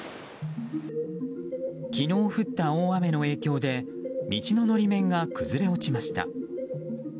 昨日降った大雨の影響で道の法面が崩れ落ちました。